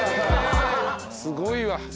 すごいわ。